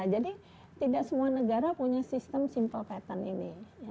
jadi tidak semua negara punya sistem simple patent ini